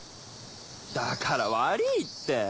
だから悪ぃって！